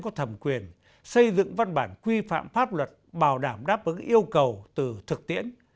có thẩm quyền xây dựng văn bản quy phạm pháp luật bảo đảm đáp ứng yêu cầu từ thực tiễn